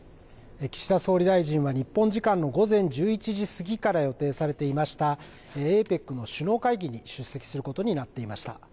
岸田総理大臣は日本時間の午前１１時過ぎから予定されていましたＡＰＥＣの首脳会議に出席することになっていました。